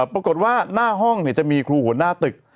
ปรากฏว่าหน้าห้องจะมีครูหัวหน้าตึก